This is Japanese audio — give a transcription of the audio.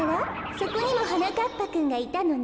そこにもはなかっぱくんがいたのね。